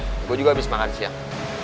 lanjut ke sana gue juga habis makan siang